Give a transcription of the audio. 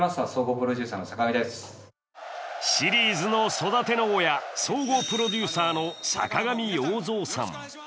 シリーズの育ての親総合プロデューサーの坂上陽三さん。